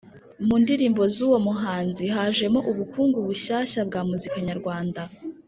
Mu ndirimbo z'uwo muhanzi, hajemo ubukungu bushyashya bwa muzika nyarwanda.